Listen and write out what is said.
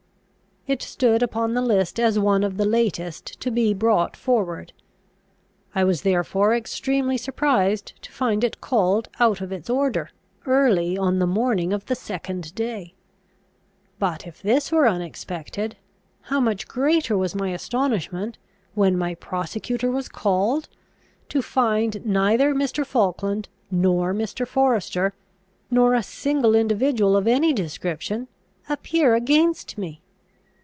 It stood upon the list as one of the latest to be brought forward. I was therefore extremely surprised to find it called out of its order, early on the morning of the second day. But, if this were unexpected, how much greater was my astonishment, when my prosecutor was called, to find neither Mr. Falkland, nor Mr. Forester, nor a single individual of any description, appear against me!